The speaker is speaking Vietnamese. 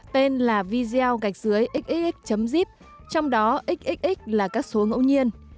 tên là video gạch dưới xxx zip trong đó xxx là các số ngẫu nhiên